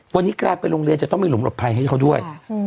วันนี้กลายเป็นโรงเรียนจะต้องมีหลุมหลบภัยให้เขาด้วย